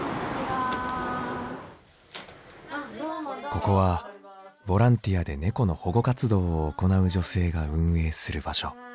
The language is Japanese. ここはボランティアで猫の保護活動を行う女性が運営する場所。